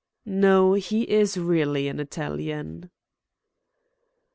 "No; he is really an Italian."